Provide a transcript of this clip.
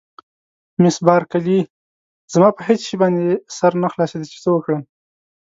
مس بارکلي: زما په هېڅ شي باندې سر نه خلاصېده چې څه وکړم.